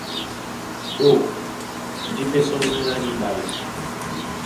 Ó njé pɛ́ sɔ́ ná enɔ́ ná níɓa é?